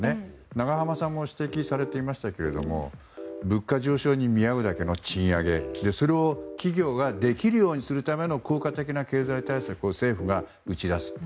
永濱さんも指摘されていましたけども物価上昇に見合うだけの賃上げそれを企業ができるようにするための効果的な経済対策を政府が打ち出す。